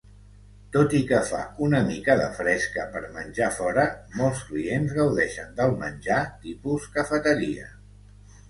Tot i que fa una mica de fresca per menjar fora, molts clients gaudeixen del menjar "tipus cafeteria".